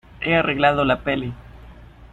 he arreglado la peli.